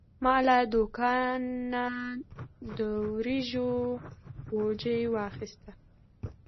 ما له دوکانه د وریجو بوجي واخیست.